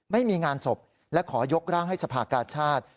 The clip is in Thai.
ไม่มีงานศพและขอยกร่างให้สภากาชาติ